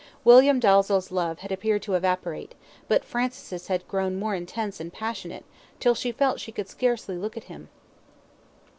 William Dalzell's love had appeared to evaporate; but Francis' had grown more intense and passionate till she felt she could scarcely look at him.